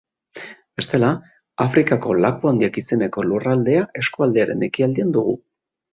Bestela, Afrikako Laku Handiak izeneko lurraldea eskualdearen ekialdean dugu.